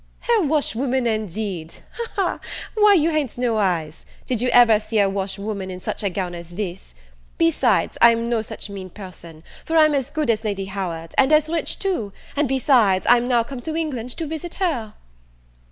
"Her wash woman, indeed? Ha, ha, ha, why you han't no eyes; did you ever see a wash woman in such a gown as this? Besides, I'm no such mean person, for I'm as good as Lady Howard, and as rich too; and besides, I'm now come to England to visit her."